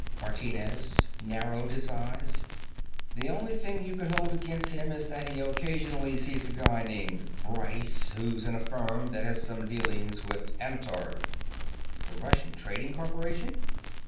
Martinez narrowed his eyes. "The only thing you could hold against him is that he occasionally sees a guy named Bryce, who's in a firm that has some dealings with Amtorg." "The Russian trading corporation?